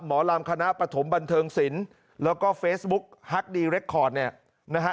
หมอลำคณะปฐมบันเทิงศิลป์แล้วก็เฟซบุ๊กฮักดีเรคคอร์ดเนี่ยนะฮะ